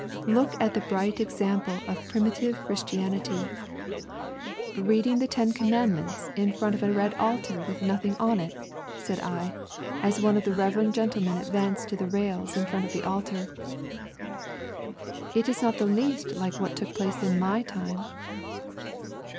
Look at the bright example of Primitive Christianity! " HOW 1 WENT TO CHURCH WITU BOODLE. 21 " Reading the Ten Gommandmciits in front of a red altar with nothing on it?" said I, as one of tha reverend gentlemen advanced to the rails in front of the altar. "It is not the least like what took place in my time